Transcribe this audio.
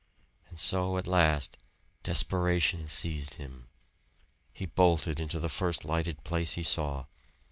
And so at last desperation seized him. He bolted into the first lighted place he saw.